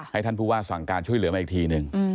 ให้ท่านผู้ว่าสั่งการช่วยเหลือมาอีกทีหนึ่ง